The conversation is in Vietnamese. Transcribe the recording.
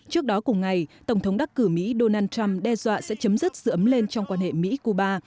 trước đó cùng ngày tổng thống đắc cử mỹ donald trump đe dọa sẽ chấm dứt sự ấm lên trong quan hệ mỹ cuba